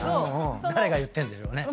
誰が言ってんでしょうね。